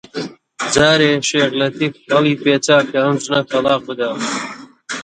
جارێ شێخ لەتیف هەڵیپێچا کە ئەم ژنە تەڵاق بدا